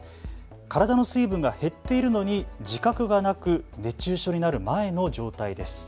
体の水分が減っているのに自覚がなく、熱中症になる前の状態です。